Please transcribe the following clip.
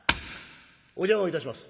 「お邪魔をいたします。